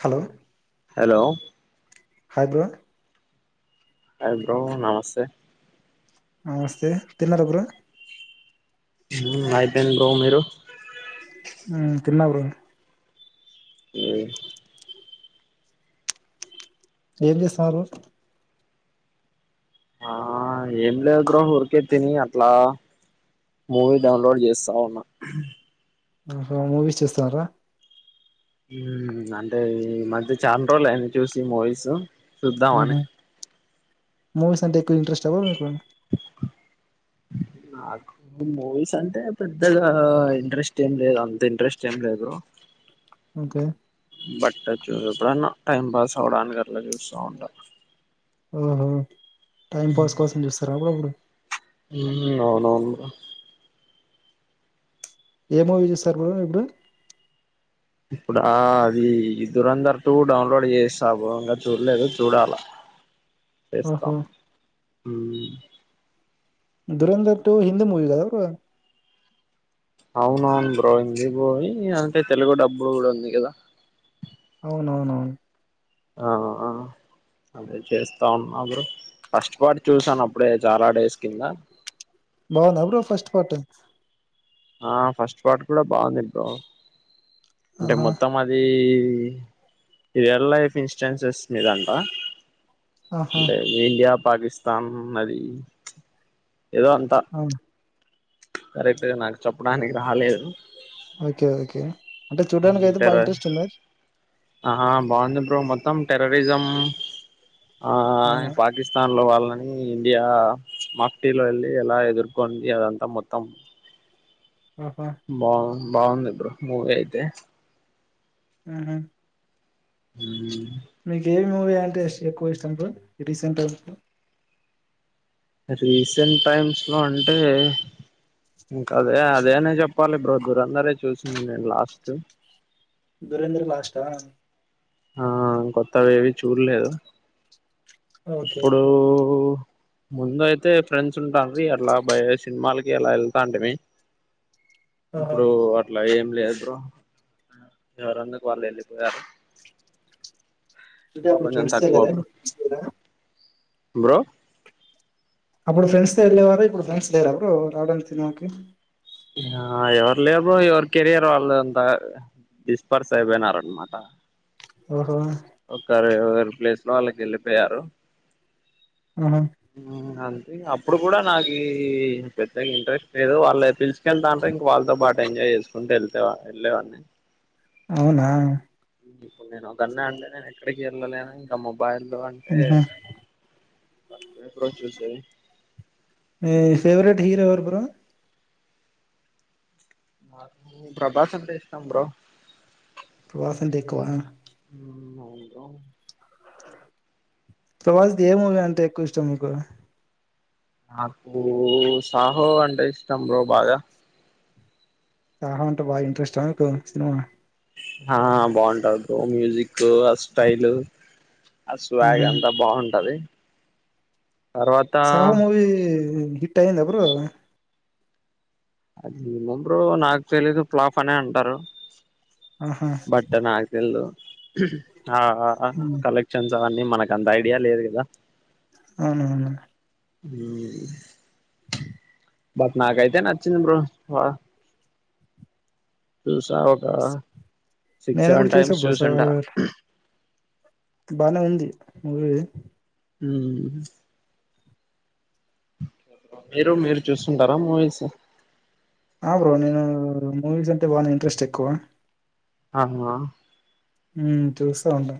Hello hello hi bro hi bro నమస్తే నమస్తే తిన్నారా బ్రో హు అయిపోయింది బ్రో మీరు మ్ తిన్న బ్రో ఏ ఏం చేస్తారు ఆ ఏం లేదు బ్రో ఊరికే తిని అట్లా మూవీ డౌన్లోడ్ చేస్తా ఉన్నా ఆహా మూవీస్ చూస్తున్నారా మ్ అంటే ఈ మధ్య చాన్ రోజులు అయ్యింది చూసి మూవీస్ మ్మ్ చూద్దామని మూవీస్ అంటే ఎక్కువ ఇంట్రెస్ట్ బ్రో మీకు నాకు మూవీస్ అంటే పెద్దగా ఇంట్రెస్ట్ ఏం లేదు అంత ఇంట్రెస్ట్ ఏం లేదు ఓకే బట్ ఎప్పుడు టైం పాస్ అవడానికి అట్లా చుస్తా ఉంటా ఆహ టైం పాస్ కోసం చూస్తారు అప్పుడప్పుడు ఉ అవునవును ఏం మూవీ చూస్తారు బ్రో ఇప్పుడు ఇప్పుడు అది దరందర్ టూ డౌన్లోడ్ చేస ఇంకా చూడలేదు చూడాలా ఓహో చేస్తాము దురంధర్ టు హిందీ మూవీ అదా అవున అవును బ్రో హిందీ బయి అంటే తెలుగు డబ్బులు కూడా ఉంది కదా అవునవునవు ఆ అదే చేస్తా ఉన్నాప్పురు ఫస్ట్ పాటు చూసాను అప్పుడే చాలా డేస్ కింద బాగున్నా బ్ర ఫస్ట్ పట్ ఆ ఫస్ట్ పాట్ కూడా బాగుంది బ్రో అంటే ఆహా మొత్తం అది రియల్ లైఫ్ ఇన్స్టూరెన్స్ వస్తుందిదంట ఆహా అంటే ఇడియా పాకిస్తాన్ నది ఏదో అంత అవును కరెక్ట్ నాకు చెప్పడానికి రాలేదు ఓకే ఓకే అంటే చూడ్డానికి అయితే బాగా ర్ ఇంట్రెస్ట్ ఉందా ఆా బాగుంది బ్రో మొత్తం టెరరిజం ఆ అవునా పాకిస్తాన్ లో వాళ్ళ కానీ ఇండియా మాఫ్టీలో వెళ్ళి ఎలా ఎదుర్కొంది అదంతా మొత్తం ఆహా బాగుంద ఇద్ మూవ అయితే ఊహూ హ మీకు ఏమి మూవీ అంటే ఎక్కువ ఇష్టం ఇప్పుడు రీసెంట్ రీసెంట్ టైమ్స్ లో అంటే ఇంకా అదే అదే అనే చెప్పాలి బ్రో ద్దురందరే చూసింది నేను లాస్ట్ దురంధర్ లాష్ట ఆ కొత్తవి ఏవి చూడలేదు ఓకే ఇప్పుడు ముందు అయితే ఫ్రెండ్స్ ఉంటాండ్రి అట్లా భయ సినిమాలకి అలా వెళ్తాంటే మీ ఆహా! ఇప్పుడు అట్లా ఏం లేదు బ్రో, ఎవరి ఇండ్లకు వాళ్ళు వెళ్ళిపోయారు ఇప్పుడు కొంచెం ఫ్రండ్స్ తక్కువ బ్రో గ బ్రో ఇప్పుడు ఫ్రెండ్స్ త వెళ్లేేవారు ఇప్పుడు ఫ్రెండ్స్ లేరా బ్రో రావడానికి సినిమాకి ఆ ఎవరు లేరు బ్రో ఎవరు కెరయర్ వాళ్ళుంతా డిస్పర్స్ అయిపోయినార అనమాట ఓహో ఒకరి ఏవరీ ప్లేస్ లో వాళ్ళకి వెళ్ళిపోయారు ఆహా! అ అప్పుడు కూడా నాకు పెద్దగా ఇంట్రెస్ట్ లేదు వాళ్ళు పీల్చు కెళ్తా అంటే ఇంక వాళ్ళతో బాటు ఎంజాయ్ చేసుకుంటూ వెళ్తేవా వెళ్ళేవాడిని అవునా ఇప్పుడు నేను ఒక కన్నా అంటే నే ఎక్కడికి వెళ్ళలేను ఇంకా మబ్బ అబ్బాయిల్లో అంటే హుహు. బ్రో చూసేది మీ ఫేవరెట్ హీరో ఎవరు బ్రో నాకు ప్రభాస్ అంటే ఇష్టం బ్రో ప్రబాస్సంటే ఎక్కువ అంద ప్రభాస్ ది ఏ మూవీ అంటే ఎక్కువ ఇష్టం మీకు నాకు సాహో అంటే ఇష్టం బ్రో బాగా సాహో అంటే బాగా ఇంట్రెస్టా మీకు సినిమా ఆ బాగుంటారు బ్రో మ్యూజిక్ కు ఆ స్టైల్ ఆ స్వాగ్ ఆహా! అంతా బాగుంటది తర్వాత సాహో మూవి హిట్ అయిందా బ్రో అది ఏమో బ్రో నాకు తెలీదు ప్లాఫ్ అనే అంటారు ఆహా! బట్ నాకు తెలీదు ఆ హ్మ్. కలెక్షన్స్ అవన్నీ మనకు అంత ఐడియా లేదు కదా అవునవును. ఉ బట్ నాకైతే నాచ్చంది బ్రో స ఒక సిక్స్ నేను సెవెన్ కూడా చూసా టైమ్స్ బ్రో 'సాహో' చూసింటా బానే ఉంది మ మ్ మీరు మీరు చూస్తుంటారా మూవీస్ ఆ బ్రో నేను మూవీస్ అంటే బాగా ఇంట్రెస్ట్ ఎక్కువ ఆహా మ్ చూస్తా ఉంటా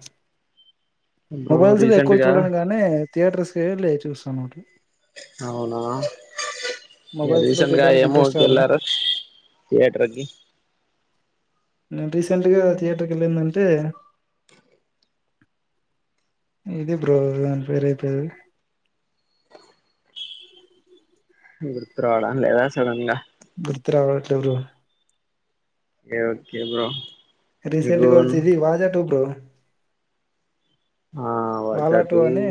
బ్రో మొబైల్స్ లో ఎక్కువ రీసెంట్గా చూడడం గాని థియేటర్స్ లే చూస్ జనోటి అవునా మొబైల్స్ లో రీసెంట్గా చూడ్డానికి ఎ మూవీ ఇంట్రెస్ట్ కి రాదు ఎల్లరు థియేటర్కి నేను రీసెంట్గా థియేటర్కి వెళ్ళిందంటే ఇది బ్రో అని పేరు గుర్తు రావడం లేదా సడన్ గా గుర్తురవట్లేదు bro okay okay bro recent మీకు గా వచ్చేది వాజా టూ బ్రో ఆ వాాలా వాచా టు టూ అని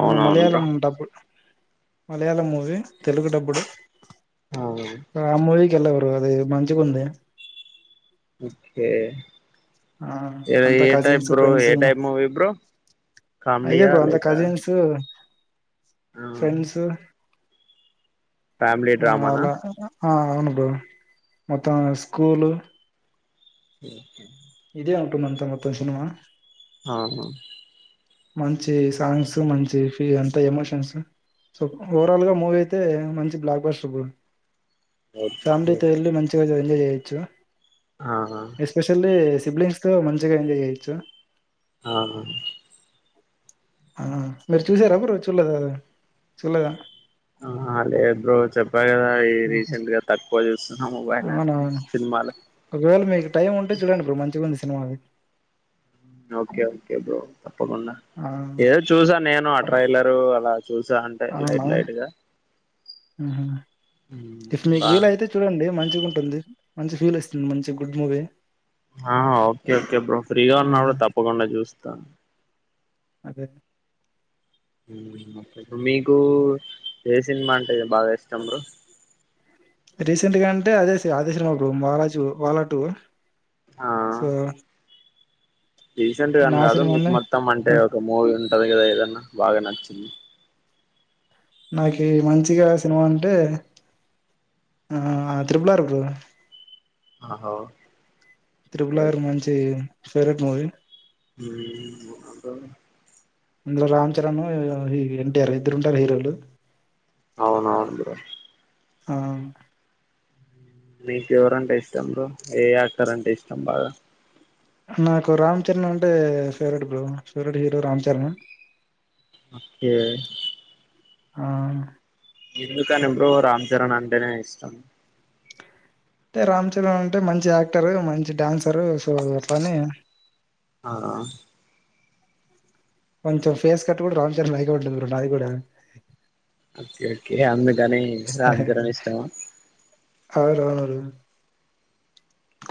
అవునవును బ్రో మలయాళం డబ్బు మలయాళం మూవీ తెలుగు డబ్బుడు అవు ఎల్లు బ్రో అది మంచిగుంది ఓకే ఆ అంతా ఏ టైప్ కజిన్స్ బ్రో ఫ్రెండ్స్ ఏ టైప్ ముూవీ బ్రో కామెడియా లేై ఫ్రెండ్సు ఫ్యామిలీ డ్రామానా ఆ అవును బ్రో మొత్తం స్కూలు ఇదే ఉంటుంది అంతా మొత్తం సినిమా అవును మంచి సాంగ్స్ మంచి ఫీల్ అంతా ఎమోషన్స్ సో ఓవరాల్గా మూవీ అయితే మంచి బ్లాక్ బస్ట్ బ్రో ఫ్యామిలీ తో వెళ్ళి మంచిగా ఎంజాయ్ చ్చ ఎస్పెషల్లీ సిబ్లింగ్స్ తో మంచిగా ఎంజాయ్ చేయొచ్చు ఆ ఆ మీరు చూసార బ్రో చూడలేదా అది చూల్లేదా ఆహా లేదు బ్రో చెప్ కదా ఈ రీసెంట్ గా త పల్ అవున అవును ఒకవేళ మీకు టైం ఉంటే చూడండి బ్రో మంచిగుంది సి సినిమాది ఓకే ఓకే బ్రో తప్పకుండా ఆ! ఏదో చూసా నేను అ ట్రైలరు అలా చూసా అంటే అవునా లైట్ లైట్ గా ఇప్పుడు మీకు బా వీల అయితే చూడండి మంచి మంచిగా ఉంటుంది మంచి ఫీల్ వస్తుంది మంచి గుడ్ మూవీ ఆ ఓకే ఓకే బ్రో ఫ్రీగా ఆ! ఉన్నాప్పుడు తప్పకుండా చూస్తాను అదె మీకు ఏ సినిమా అంటే బాగా ఇష్టం బ్రో రీసెంట్ గా అంటే అదే సి అదే సినిమా బ్రో వాలా టు స రీసెంట్గాని కాదు మీకు సినిమానే మొత్తం ఆ! అంటే ఒక మూవీ ఉంటది కదా ఏదన్నా బాగా నచ్చింది నాకు మంచిగా సినిమా అంటే ఆ త్రిపులార్ బ్రో ఆహా త్రిరుపులారు మంచి ఫేవరెట్ మూవీ ఉమ్ అదా ఇందులో రామ్ చరణ్ ఎన్టీఆర్ ఇద్దరు ఉంటారు హీరోలు అవునవును బ్రో ఆ మీకు ఎవరంటే ఇష్టం బ్రో ఏ యాక్టరంటే ఇష్టం బాగా నాకు రామ్ చరణ్ అంటే favourite bro favourite hero Ram Charan okay ఆ ఎందుకని బ్రో రామ్ చరణ్ అంటేనే ఇష్టం అంటే రామ్ చరణ్ అంటే మంచి యాక్టరు మంచి డాన్సరు సో అట్లనీ ఆ ఆ కొంచెం ఫేస్ కట్ కూడా రామ్ చరణ్ లాగానే ఉంటది బ్రో నాది కూడా ఓకే ఓకే యా అందు కని రాంచరణ్ ఇష్టమా ఉమ్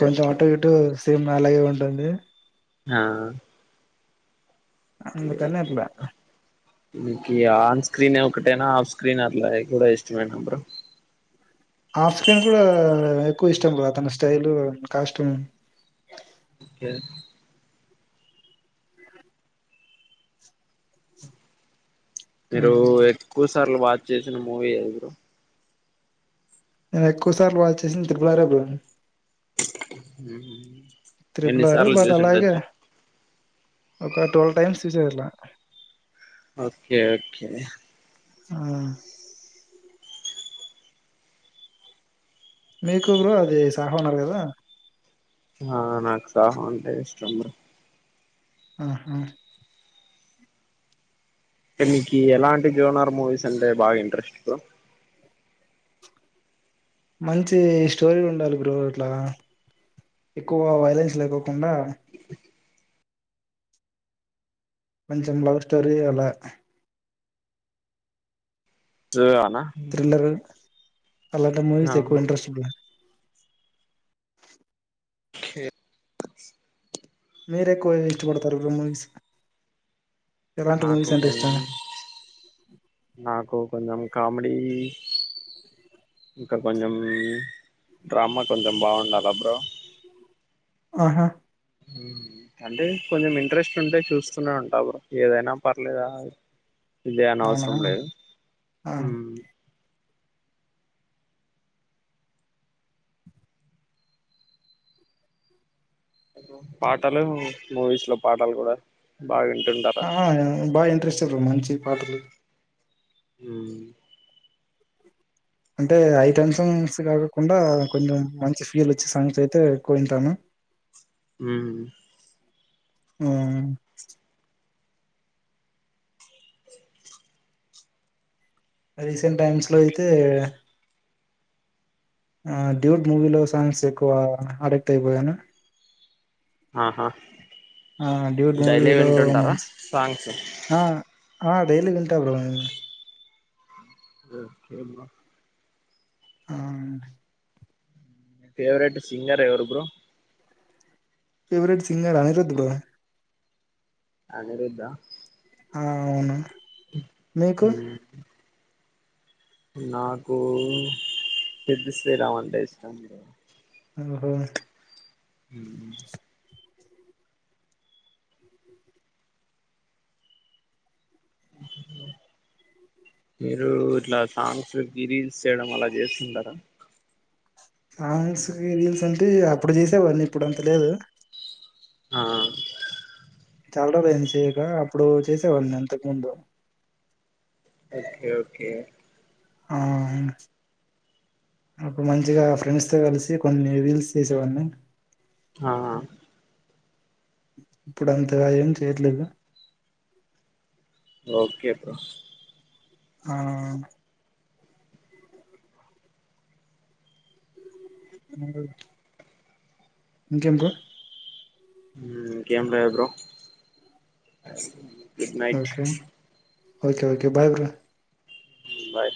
కొంచెం ఓకే ఆట గటు సినిేమ్న అలాగే ఉంటుంది ఆ అందు తనేర్లా ఇకు ఆన్ స్క్రీన్ ఒకటేనా ఆఫ్ స్క్రీన్ అట్లా కూడా ఇష్టమేనా బ్ర ఆఫ్ స్క్రీన్ కూడా ఎక్కువ ఇష్టం బతన స్టైల్ కాస్ట్యూమ్ ఓకే మీరు ఎకు సార్లు వాచ్ చేసిన మూవీ ఏది బ్రో నేను ఎక్కువ సార్లు వాచ్ చేసింది ట్రిబులారే బ్రో మ్మ్ త్రిబుల్ ఎన్ని ఆర్ సార్లు బట్ చూసిండచ్చు టువల్ టైమ్స్ చూసేదట్ల ఓకే ఓకే ఆ మీకు బ్రో అది సాహో అన్నారు కదా ఆ నాకు సాహో అంటే ఇష్టం ఆహా టే మీకి ఎలాంటి జోనార్ మూవీస్ అంటే బాగా ఇంట్రెస్ట్ మంచి స్టోరీ ఉండాలి బ్రో ఇట్లా ఎక్కువ వైలెన్స్ లేకోకుండా కొంచెం లవ్ స్టోరీ అలా సూ ఆ థ్రిల్లరు అలాంటి మూవీస్ ఎక్కువ ఇంట్రస్ట్ బ్రో ఏ మీరెక్కువ ఏది ఇష్టపడతారు బ్రో మూవీస్ ఎలాంటి నాకు మూవీస్ అంటే కొన్ ఇష్టం నాకు కొంచం కామెడీ ఇంకా కొంచెం డ్రామా కొంచెం బాగుండాల బ్రో ఆహా అంటే కొంచెం ఇంట్రెస్ట్ ఉంటే చూస్తూనే ఉంటా బ్ర ఏదైనా పర్లేదా ఇదే అనే అవునా అవసరం లేదు ఆ పాటలు మూవీస్ లో పాటలు కూడా బాగా వింటుంటారా ఆ బాగ ఇంట్రెస్ట్ రొమాంచి పాటలు మ్మ్ అంటే ఐటమ్ సాంగ్స్ కాకోకుండా కొంచెం మంచి ఫీల్ వచ్చే సాంగ్స్ అయితే ఎక్కువ వింటాను. హ్మ్మ్ ఆ రీసెంట్ టైమ్స్ లో అయితే ఆ డ్యూడ్ మూవీలో సాంగ్స్ ఎక్కువ అడిక్ట్ అయిపోయాను. ఆహా ఆ డ్యూడ్ డైలీ మూవీలో వింటుంటారా మంచి సాంగ్స్ ఆ ఆ డైలీ వింటా బ్రో నేను అ ఆ ఫేవరెట్ సింగర్ ఎవరు bro favourite singer Anirudh bro అనిరుద్దా ఆ అవును మీకు హ్మ్మ్ నాకు సిద్ది శ్రీరామంటే ఇష్టం ఓహో హ్మ్ మీరు ఇట్లా సాంగ్స్ గిరి స్ చేయడం అలా చేస్తుంటారా సాంగ్స్ రీల్స్ అంటే అప్పుడు చేసేవాడిని ఇప్పుడు అంత లేదు ఆ చాలా రోజులైంది చేయక అప్పుడు చేసేవాడిని అంతకు ముందు ఓకే ఓకే ఆ [inaudible] మంచిగా ఫ్రెండ్స్తో కలిసి కొన్ని రీల్స్ చేసేవాడిని ఆ ఇప్పుడు అంతగా ఏం చేయట్లేదు ఓకే బ్రో ఆ ఇంకేం కో ఊ ఇంకేం లేదు bro good night okay okay okay bye bro ఊ బాయ్